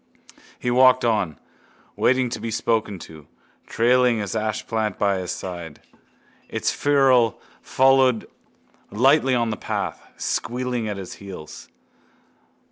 He walked on, waiting to be spoken to, trailing his ashplant by his side. Its ferrule followed lightly on the path, squealing at his heels.